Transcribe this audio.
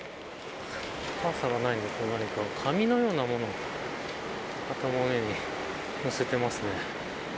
傘がないので紙のような物を頭の上に載せてますね。